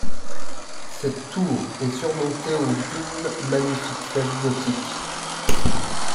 Cette tour est surmontée au d'une magnifique flèche gothique.